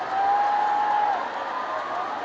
วัฒนิยาพุทธ